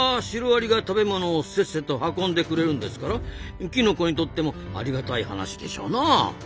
シロアリが食べ物をせっせと運んでくれるんですからきのこにとってもありがたい話でしょうなあ。